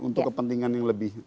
untuk kepentingan yang lebih